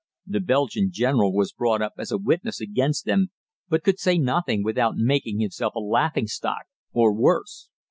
The Belgian general was brought up as a witness against them, but could say nothing without making himself a laughing stock or worse!